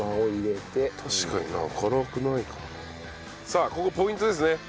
さあここポイントですね。